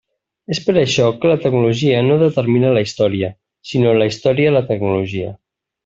És per això que la tecnologia no determina la història, sinó la història la tecnologia.